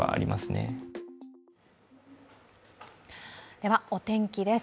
では、お天気です。